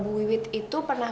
dewi aja yang satu siapa tuh